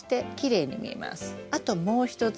あともう一つ。